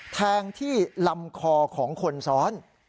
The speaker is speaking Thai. แทงที่ลำคอของคนซ้อน